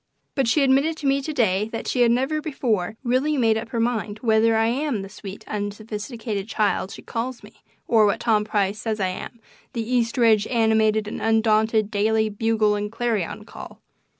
But she admitted to me to day that she had never before really made up her mind whether I am the "sweet, unsophisticated child" she calls me, or what Tom Price says I am, The Eastridge Animated and Undaunted Daily Bugle and Clarion Call.